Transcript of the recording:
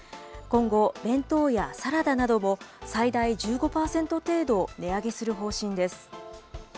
今後、弁当やサラダなども、最大１５％程度値上げする方針です。